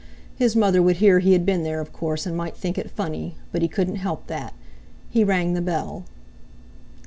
His mother would hear he had been there, of course, and might think it funny; but he couldn't help that. He rang the bell.